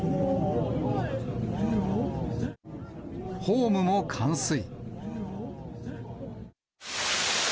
ホームも冠水。